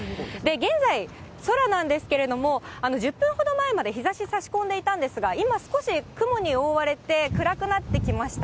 現在、空なんですけれども、１０分ほど前まで日ざしさし込んでいたんですが、今、少し雲に覆われて、暗くなってきました。